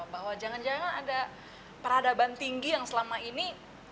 bahwa jangan jangan ada peradaban tinggi yang selama ini